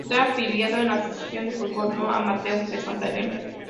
Está afiliado a la Asociación de Fútbol No Amateur de Santa Elena.